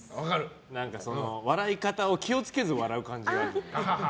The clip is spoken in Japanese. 笑い方を気を付けず笑う感じ。